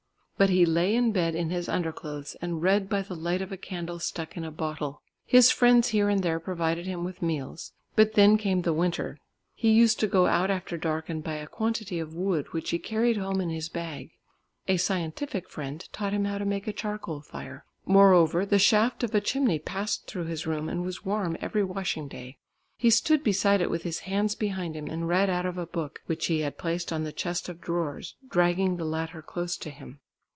But he lay in bed in his under clothes and read by the light of a candle stuck in a bottle. His friends here and there provided him with meals. But then came the winter. He used to go out after dark and buy a quantity of wood, which he carried home in his bag. A scientific friend taught him how to make a charcoal fire. Moreover, the shaft of a chimney passed through his room and was warm every washing day. He stood beside it with his hands behind him and read out of a book which he had placed on the chest of drawers, dragging the latter close to him.